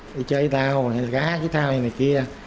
đi chơi với tao gá với tao như này kia